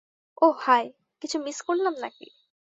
ও, hi, কিছু miss করলাম নাকি!